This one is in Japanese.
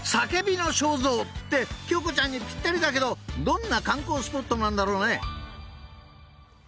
［京子ちゃんにぴったりだけどどんな観光スポットなんだろうね？］